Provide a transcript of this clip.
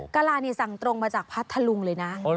กะลานี่สั่งตรงมาจากพัทธลุงเลยนะ